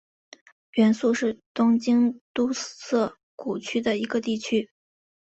原宿是东京都涩谷区的一个地区。